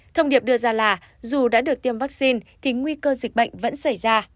thông điệp đưa ra là dù đã được tiêm vaccine thì nguy cơ dịch bệnh vẫn xảy ra